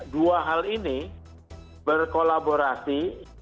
dua hal ini berkolaborasi